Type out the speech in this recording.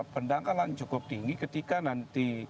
pendangkalan cukup tinggi ketika nanti